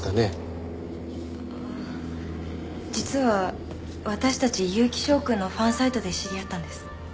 ああ実は私たち結城翔くんのファンサイトで知り合ったんです。